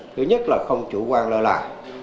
thứ nhất là không chủ quan lơ lạc